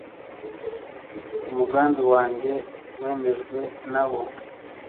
umugambi wanjye wemejwe nabo